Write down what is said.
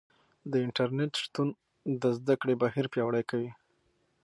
د انټرنیټ شتون د زده کړې بهیر پیاوړی کوي.